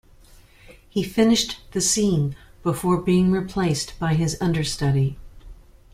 He finished the scene before being replaced by his understudy.